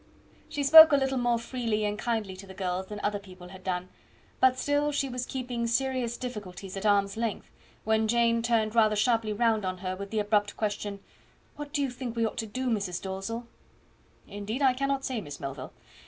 She spoke a little more freely and kindly to the girls than other people had done; but still she was keeping serious difficulties at arm's length, when Jane turned rather sharply round on her with the abrupt question "What do you think we ought to do, Mrs. Dalzell?" "Indeed, I cannot say, Miss Melville.